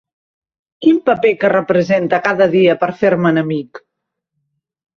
Quin paper que represente cada dia per fer-me'n amic!